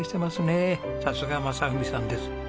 さすが正文さんです。